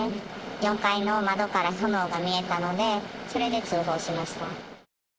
４階の窓から炎が見えたので、それで通報しました。